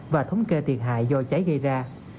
và thống kê thiệt hại do cháy gây ra